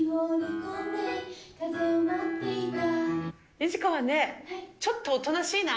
ニジカはね、ちょっとおとなしいな。